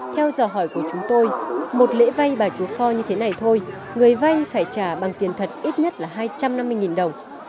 theo giờ hỏi của chúng tôi một lễ vay bà chúa kho như thế này thôi người vay phải trả bằng tiền thật ít nhất là hai trăm năm mươi đồng